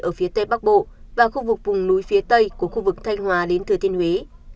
ở phía tây bắc bộ và khu vực vùng núi phía tây của khu vực thanh hòa đến thừa thiên huế